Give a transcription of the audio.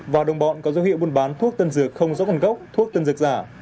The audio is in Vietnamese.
và đồng bọn có dấu hiệu buôn bán thuốc tân dược không giống còn gốc thuốc tân dược giả